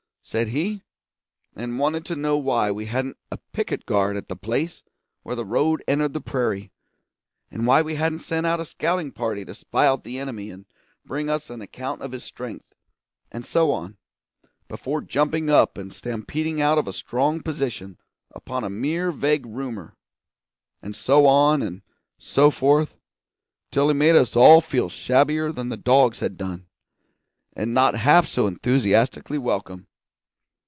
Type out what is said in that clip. said he. And wanted to know why we hadn't had a picket guard at the place where the road entered the prairie, and why we hadn't sent out a scouting party to spy out the enemy and bring us an account of his strength, and so on, before jumping up and stampeding out of a strong position upon a mere vague rumour and so on, and so forth, till he made us all feel shabbier than the dogs had done, and not half so enthusiastically welcome.